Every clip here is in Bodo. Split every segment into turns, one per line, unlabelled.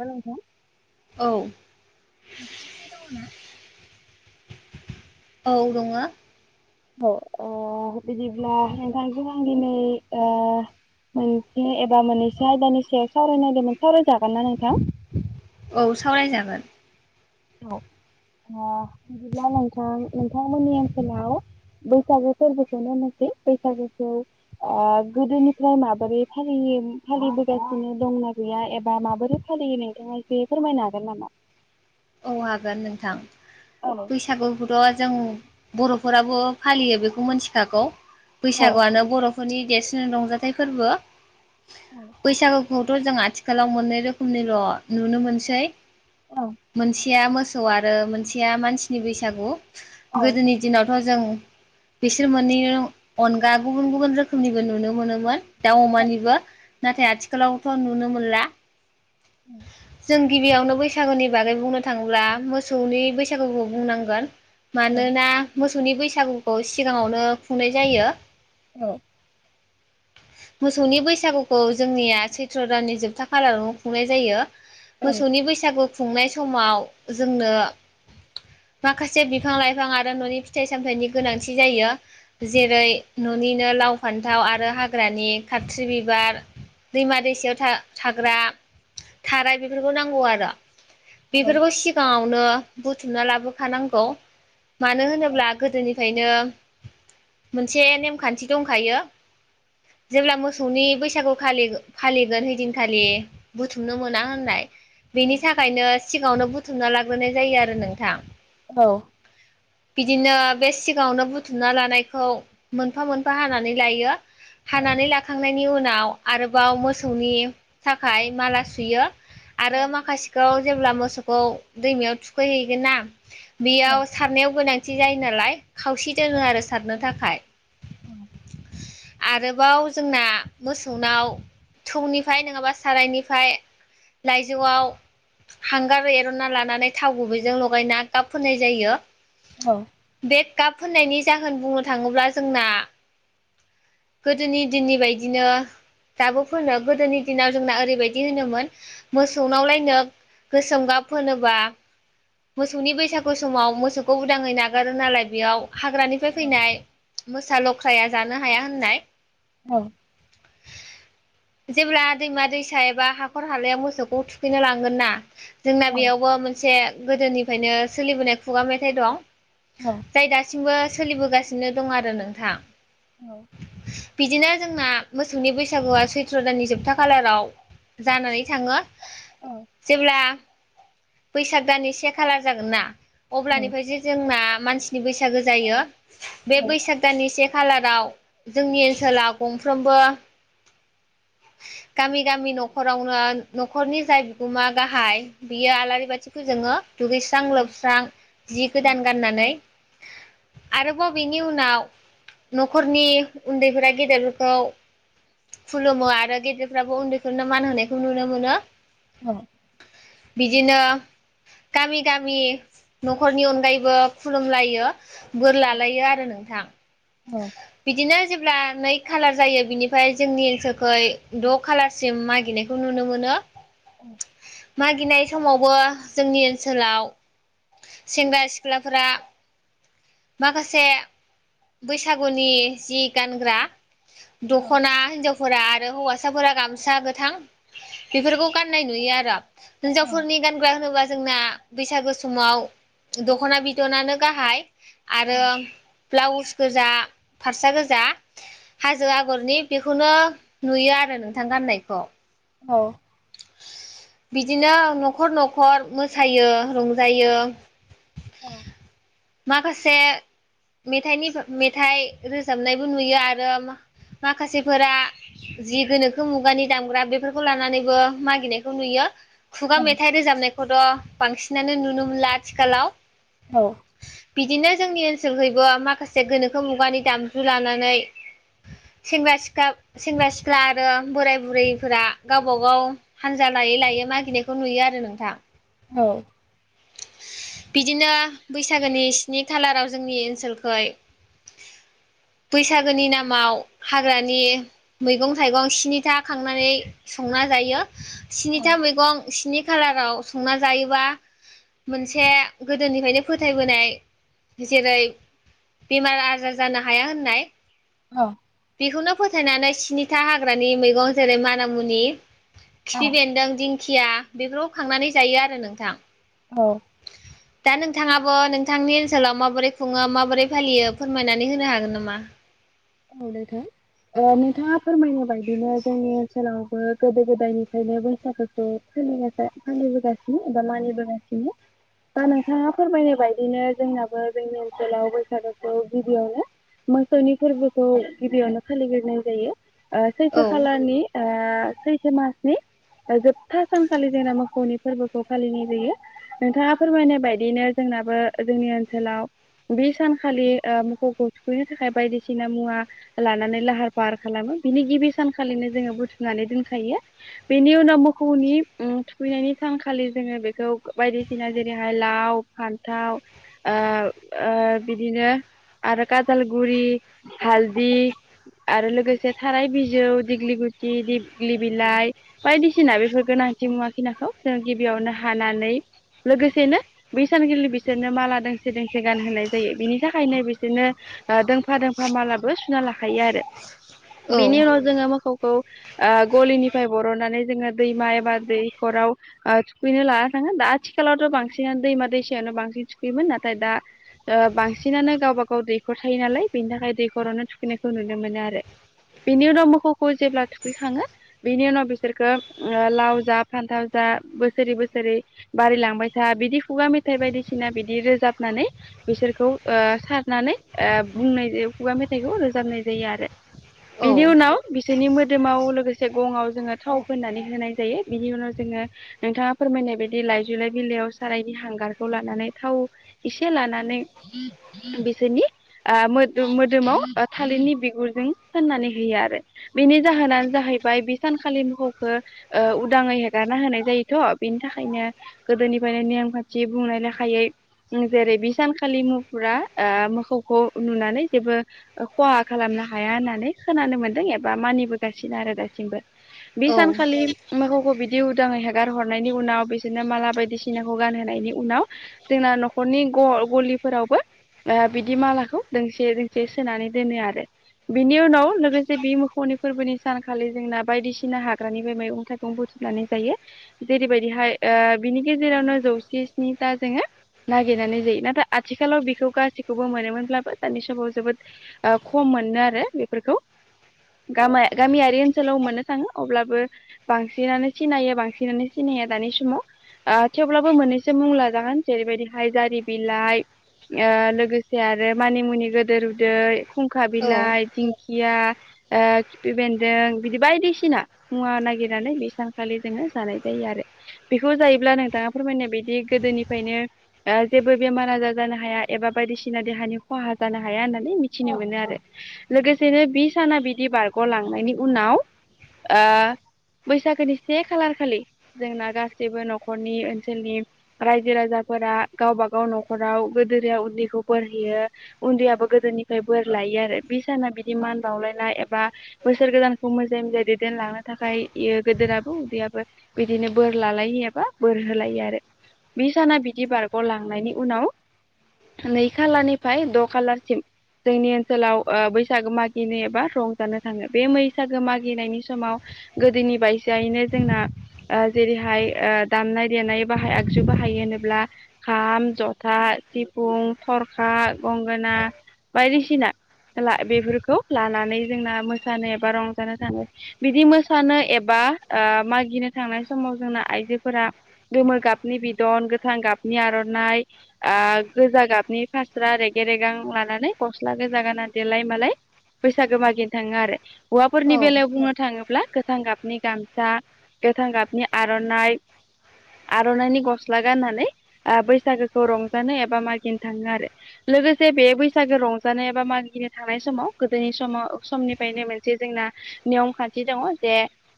हेल' नोंथां।
औ।
फ्रि दङ ना?
औ दङो।
औ बिदिब्ला नोंथांखौ आं दिनै ओ मोनसे एबा मोननैसो आयदानि सायाव सावराय नागिरदोंमोन सावरायजागोन ना नोंथां?
औ सावरायजागोन।
औ बिदिब्ला नोंथां नोंथांमोननि ओनसोलाव बैसागो फोरबोखौनो होननोसै बैसागोखौ ओ गोदोनिफ्राय माबोरै फालियो फालिबोगासिनो दंना गैया एबा माबोरै फालियो नोंथाङा एसे फोरमायनो हागोन नामा?
औ हागोन नोंथां बैसागुखौथ' जों बर'फोराबो फालियो बेखौ मिथिखागौ
औ
बैसागुआनो बर' नि देरसिन रंजाथाइ फोरबो बैसागु खौथ' जों आथिखालाव मोननै रोखोमनिल' नुनो मोनसै
औ।
मोनसेया मोसौ आरो मोनसेया मानसिनि बैसागु गोदोनि दिनाव थ' जों बिसोर मोननै अनगा गुबुन गुबुन रोखोमनिबो नुनो मोनोमोन। दाउ अमानिबो नाथाय आथिखालावथ' नुनो मोनला।
[inaudible]
जों गिबियावनो बैसागुनि बागै बुंनो थाङोब्ला मोसौनि बैसागुखौ बुंनांगोन। मानोना मोसौनि बैसागुखौ सिगाङावनो खुंनाय जायो।
औ।
मोसौनि बैसागुखौ जोंनिया सैत्र दाननि जोबथा खालारावनो खुंनाय जायो मोसौनि बैसागु खुंनाय समाव जोंनो माखासे बिफां लाइफां आरो न'नि फिथाइ सामथायाइनि गोनांथि जायो जेरै ननिनो लाव फान्थाव आर आरो हाग्रानि खाथ्रि बिबार दैमा दैसायाव था-थाग्रा थाराय बेफोरखौ नांगौ आरो बेफोरखौ सिगाङावनो बुथुमना लाबोखानांगौ मानो होनोब्ला गोदोनिफायनो मोनसे नेमखान्थि दंखायो। जेब्ला मोसौनि बैसागु खालि फालिगोन हैदिनखालि बुथुमनो मोना होननाय बेनि थाखायनो सिगाङावनो बुथुमना लाग्रोनाय जायो आरो नोंथां।
औ।
बिदिनो बे सिगाङावनो बुथुमना लानायखौ मोनफा मोनफा हानानै लायो। हानानै लाखांनायनि उनाव आरोबाव मोसौनि थाखाय माला सुयो। आरो माखासेखौ जेब्ला मोसौखौ दैमायाव थुखैहैगोन ना बेयाव सारनायाव गोनांथि जायो नालाय खावसे दोनो आरो सारनो थाखाय।
औ
आरोबाव जोंना मोसौनाव थौनिफाय नङाबा सारायनिफाय लाइजौआव हांगार एरनना लानानै थाव गुबैजों लगायना गाब फोनाय जायो
औ।
बे गाब फोननायनि जाहोन बुंनो थाङोब्ला जोंना गोदोनि दिननि बायदिनो दाबो फोनो गोदोनि दिनाव जोंना ओरैबायदि बिदि होनोमोन मोसौनावलायनो गोसोम गाब फोनोबा मोसौनि बैसागु समाव मोसौखौ उदाङै नागारो नालाय बेयाव हाग्रानिफ्राय फैनाय मोसा लख्राया जानो हाया होननाय
औ।
[inaudible] जेब्ला दैमा दैसाय बा हाखर हालायाव मोसौखौ थुखैनो लांगोन ना जोंना बेयावबो मोनसे गोदोनिफ्रायनो सोलिबोनाय खुगा मेथाइ दं जाय दासिमबो सोलिबोगासिनो दं आरो नोंथां।
औ।
बिदिनो जोंना मोसौनि बैसागुआ सैथ्र दाननि जोबथा खालाराव जानानै थाङो। जेब्ला बैसाग दाननि से खालार जागोन ना अब्लानिफ्रायसो जोंना मानसिनि बैसागो जायो बे बैसाग दाननि से खालाराव जोंनि ओनसोलाव गंफ्रोमबो गामि गामि नख नखरावनो नखरनि जाय बिगोमा गाहाय बियो आलारि बाथि फोजोङो। दुगैस्रां लोबस्रां जि गोदान गाननानै आरोबाव बिनि उनाव नखरनि उन्दैफोरा गेदेरफोरखौ खुलुमो आरो गेदेरफ्राबो उन्दैफोरनो मान होनायखौ नुनो मोनो।
औ।
बिदिनो गामि गामि नखरनि अनगायैबो खुलुमलायो। बोर लालायो आरो नोंथां। बिदिनो जेब्ला नै खालार जायो बिनिफ्राय जोंनि ओनसोलखोहाय द‌ खालार सि सिम मागिनायखौ नुनो मोनो
[inaudible]
मागिनाय समावबो जोंनि ओनसोलाव सेंग्रा सिख्लाफोरा माखासे बैसागुनि जि गानग्रा द'खना हिनजावफोरा आरो हौवासाफोरा गाम सा गोथां बेफोरखौ गाननाय नुयो आरो हिनजावफोरनि गानग्रा होनोबा जोंना बैसागो समाव दख'ना बिदनानो गाहाय आरो ब्लाउस गोजा फारसा गोजा हाजो आगरनि बेखौनो नुयो आरो नों थां गाननायखौ
औ
बिदिनो न'खर न'खर मोसायो रंजायो
औ
माखासे मेथाइनि मेथाइ रोजाबनायबो नुयो आरो माखासेफोरा जि गोनोखो मुगानि दामग्रा बेफोरखौ लानानैबो मागिनायखौ नुयो खुगा मेथाइ रोजाबनाय खौथ' बांसिनानो नुनो मोनला आथिखालाव बिदिनो जोंनि ओनसोलखैबो माखासे गोनोखो मुगानि दामजु लानानै सेंग्रा सिख्ला सेंग्रा सिख्ला आरो बोराय बुरैफोरा गावबा गाव हानजा लायै लायै मा गिनायखौ नुयो आरो नोंथां
औ
बिदिनो बैसागोनि स्नि खालाराव जोंनि ओनसोलखै बैसागोनि नामाव हाग्रानि मैगं थाइगं स्नि था खांनानै संना जायो स्निथा मैगं स्नि खालाराव संना जायोबा मोनसे गोदोनिफ्रायनो फोथायबोनाय जेरै बेमार आजार जानो हाया होननाय
औ
बेखौनो फोथायनानै स्निथा हाग्रानि मैगं जेरै मानामुनि खिफि बेन्दों दिं द्खिया बेफोराव खांनानै जायो आरो नोंथां
औ
दा नोंथाङाबो नोंथांनि ओनसोलाव माबोरै खुङो माबोरै फालियो फोरमायनानै होनो हागोन नामा?
औ नोंथां ओ नोंथाङा फोरमायनाय बायदिनो जोंनि ओनसोलावबो गोदो गोदायनिफ्रायनो बैसागुखौ फालिनायखाय फोलिबोगासिनो एबा मानिबोगासिनो दा नोंथाङा फोरमायनाय बायदिनो जोंनाबो जोंनि ओनसोलाव बैसागुखौ गिबियावनो मोनसोनि फोरबो खौ गिबियावनो फालिग्रोनाय जायो ओ सैथो
औ
खालरनि सैथो मास नि जोबथा सानखालि जोंना मोसौनि फोरबोखौ फालिनाय जायो नोंथाङा फोरमायनाय बायदियैनो जोंना आबो जोंनि ओनसोलाव बे सानखालि ओ मोखौखौ थुखैनो थाखाय बायदिसिना मुवा लानानै लाहार फाहार खालामो बिनि गिबि सानखालिनो जोङो बुथुमनानै दोनखायो बेनि उनाव मोखौनि थुखैनायनि थानखालि जोङो बेखौ बायदिसिना जेरैहाय लाव फान्थाव ओ ओ बिदिनो आरो गाजालगुरि हालदि आरो लोगोसे थाराय बिजौ दिग्लि गुथि दिग्लि बिलाइ बायदिसिना बेफोर गोनां [unintelligible] मुवाखि नाखौ जों गिबियावनो हानानै लोगोसेनो बै सानखालि बिसोरनो माला दोंसे दोंसे गानहोनाय जायो बिनि थाखायनो बिसोरनो ओ दोंफा दोंफा मालाबो सुना लाखायो आरो
औ
बेनि उनाव जोङो मोखौ खौ गलिनिफ्राय बर'नानै जोङो दैमा एबा दैखराव ओ थुखैनो लाना थाग हा आथिखालावथ' बांसिनानो दैमा दैसायावनो बांसिन सुखैयोमोन नाथाय दा ओ बांसिनानो गावबा गाव दैखर थायो नालाय बेनि थाखाय दैखरावनो थुखैनायखौ नुनो मोनो आरो बिनि उनाव मोसौखौ जेब्ला थुखैखाङो बेनि उनाव बिसोरखौ ओ लाव जा फान्थाव जा बोसोरै बोसोरै बारिलांबाय था बिदि खुगा मेथाइ बायदिसिना बिदि रोजाबनानै बिसोरखौ ओ सारनानै ओ बुंनाय जायो खुगा मेथाइखौ रोजाबनाय जायो आरो
औ
बेनि उनाव बि सेनि मोदोमाव लोगोसे गंआव जोङो थाव फोननानै होनाय जायो बिनि उनाव जोङो नोंथाङा फोरमाय नाय बदि लइजुलाय बिलाइयाव सारायनि हांगारखौ लानानै थाव इसे लानानै बिसोरनि आह मोदो मोदोमाव थालिरनि बिगुरजों फोननानै होयो आरो बेनि जाहोनानो जाहैब फाय बे सानखालि ओह उदाङै हेगारना होनाय जायोथ' बेनि थाखायनो गोदोनि नेमखान्थि बुंनाय लेखायै जेरै बे सानखालि मुफुरा ओ मोसौखौ नुनानै जेबो खहा खालामनो हाया होननानै खोनानो मोन्दों एबा मानिबोगासिनो आरो दासिमबो।
औ
बिसानखालि मोखौखो बिद दि उदाङै हेगार हरनायनि उनाव बिसोरनो माला बायदिसिनाखौ गानहोनायनि उनाव जोंना न'खरनि ग गलिफोरावबो बिदि मालाखौ दोंसे दोंसे सोनानै दोनो आरो बिनि उनाव लोगोसे बे मोखौनि फोरबोनि सानखालि जोंना बायदिसिना हाग्रानि बे मैगं थाइगं बुथुम लानाय जायो जेरैबायदिहाय ओह बिनि गेजेरावनो जौसे स्निथा जोङो नागिरनानै जायो नाथाय आथिखालाव बेखौ गासैखौबो मोनोमोनब्लाबो दानि सबाव जोबोद ओह खम मोनो आरो बेफोरखौ। गामा गामियारि ओनसोलाव मोननो थाङो अब्लाबो बांसिनानो सिनायो बांसिनानो सिन दानि समाव ओह थेवब्लाबो मोननैसो मुंला जागोन जेरैबायदिहाय जारि बिलाइ ओह लोगोसे आरो मानिमुनि गोदोरउदै खुंखा
औ
बिलाइ दिंखिया ओह खिफि बेन्दों बिदि बायदिसिना मुवा नागिरनानै बे सानखालि जोङो जानाय जायो बेखौ जायोब्ला नोंथाङा फोरमायनाय बायदि गोदोनिफ्रायनो जेबो बेमार आजार जानाय तम व हाया एबा बायदिसिना देहानि खहा जानो हाया होननानै मिथिनो मोनो आरो लोगोसेनो बि साना बिदि बारग'लांनायनि उनाव ओह बैसागोनि से खालार खालि जोंना गासैबो न'खरनि ओनसोलनि रायजो राजा फोरा गावबा गाव न'खराव गोदोरया उन्दैखौ बोरहोयो उन्दैयाबो गोदोरनिफ्राय बोर लायो आरो। बि साना बिदि मान बावलायनाय एबा बोसोर गोदानखौ मोजांयै मोजां दैदेलांनो थाखाय इयो गोदोराबो उदैयाबो बिदिनो बोर लालायो एबा बोरहो। सोलायनो आरो। बि साना बिदि बारग'लांनायनि उनाव नै खालानि फाय द' कालार सिम जोंनि ओनसोलाव ओ बैसागो मागिनो एबा रंजानो थाङो। बे मैसागो मागिनायनि समाव गोदोनि बाइसायैनो जोंना ओह जेरैहाय ओह दामनाय देनाय बाहाय आगजु बाहाय होनोब्ला खाम जथा सिफुं थरख हा गंगोना बायदिसिना ला बेफोरखौ लानानै जोंना मोसानो एबा रंजानो थाङो। बिदि मोसानो एबा बा ओह मागिनो थांनाय समाव जोंना आइजोफोरा गोमो गाबनि बिदन गोथां गाबनि आर'नाइ ओह गोजा गाबनि फास्रा रेगे रेगां लानानै गस्ला गोजा गाना देलाय मालाय बैसागो मागिनो थाङो आरो।
औ
हौवाफोरनि बेलायाव बुंनो थाङोब्ला गोथां गाबनि गामसा गोथां गाबनि आर'नाइ आर'नाइनि गस्ला गाननानै आह बैसागोखौ रंजानो एबा मागिनो थाङो आरो। लोगोसे बे बैसागो रंजानाय एबा मागिनो थांनाय समाव गोदोनि समाव समनिफ्रायनो मोनसे जोंना नियम खान्थि दङ जे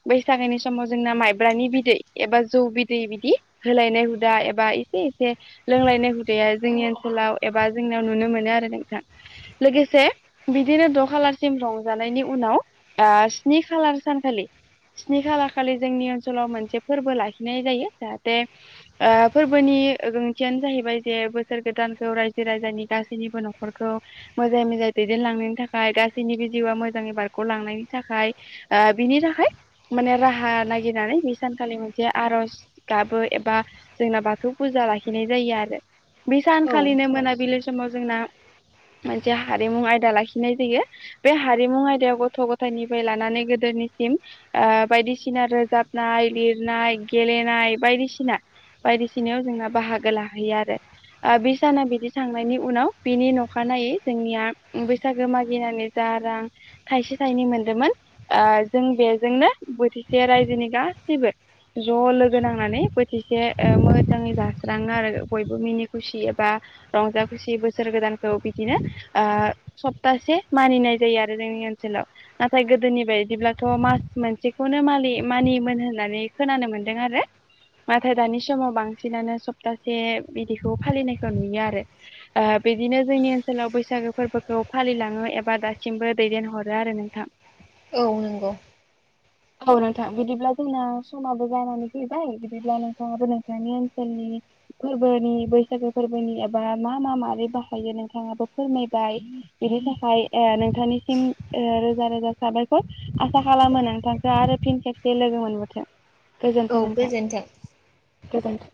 बैसागोनि समाव जोंना माइब्रानि बिदै एबा जौ बिदै बिदि होलायनाय हुदा एबा एसे एसे लोंलायनाय हुदाया जोंनि ओनसोलाव एबा जोंनियाव नुनो मोनो आरो नोंथां। लोगोसे बिदिनो द' खालारसिम रंजानायनि उन आव ओह स्नि खालार सानखालि स्नि खालार खालि जोंनि ओनसोलाव मोनसे फोरबो लाखिनाय जायो जाहाथे ओह फोरबोनि नि ओह ओंथियानो जाहैबाय जे बोसोर गोदानखौ राय राजानि गासैनिबो न'खरखौ मोजाङै मोजाङै दैदेनलांनायनि थाखाय गासैनिबो जिउआ मोजाङै बारग' ग लांनायनि थाखाय ओह बिनि थाखाय माने राहा नागिरनानै बे सानखालि मोनसे आरज गाबो एबा जोंना बाथौ फुज लाखिनाय जायो आरो। बे
औ
सानखालिनो मोनाबिलि समाव जोंना मोनसे हारिमु आयदा लाखिनाय जायो बे हारिमु आयदायाव गथ' गथायनिफ्राय लानानै गोदो निसिम ओह बायदिसिना रोजाबनाय लिरनाय गेलेनाय बायदिसिना बायदिसिनायाव जोंना बाहागो लाहैयो आरो, बे साना बिदि थांनायनि उनाव बिनि नखानायै जोंनिया बैसागो मागिनानै जा रां थायसे थाइनै मोनदोंमोन ओ जों बेजोंनो बोथिसे रायजोनि गासैबो ज' लोगो नांनानै बोथिसे ओ मोजाङै जास्राङो आरो बयबो मिनि खुसि एबा रंजा खुसि बोसोर गोदानखौ बिदिनो ओ सप्तासे मानिनाय जायो आरो जोंनि ओनसोलाव। लाव नाथाय गोदोनि बायदिब्लाथ' मास मोनसेखौनो मालि-मानियोमोन होननानै खोनानो मोनदों। आरो नाथाय दानि समाव बांसिनानो सप्तासे बिदिखौ फालिनायखौ नुयो आरो। ओ बिदिनो जोंनि ओनसोलाव बैसागो फोरबोखौ फालिलाङो एबा दासिमबो दैदेनहरो आरो नोंथां।
औ नंगौ।
औ नोंथां बिदिब्ला जोंना समाबो जानानै फैबाय बिदिब्ला नोंथाङाबो नोंथांनि ओनसोलनि फोरबोनि बैसागो फोरबोनि बा मा मा मारै बाहायो नोंथाङाबो फोरमायबाय बेनि थाखाय ओ नोंथांनिसिम रोजा रोजा साबायखर आसा खालामो नोंथांखो आरो फिन खेबसे लोगो मोनबावथों।
औ गोजोनथों।
गोजोनथों।